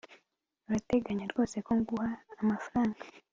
urateganya rwose ko nguha amafaranga